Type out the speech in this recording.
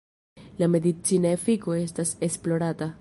La medicina efiko estas esplorata.